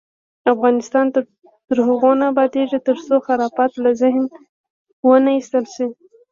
افغانستان تر هغو نه ابادیږي، ترڅو خرافات له ذهنه ونه ایستل شي.